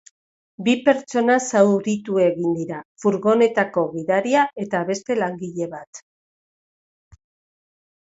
Bi pertsona zauritu egin dira, furgonetako gidaria eta beste langile bat.